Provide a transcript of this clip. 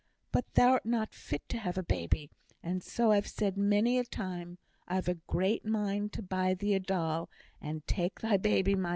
But thou'rt not fit to have a babby, and so I've said many a time. I've a great mind to buy thee a doll, and take thy babby mysel'."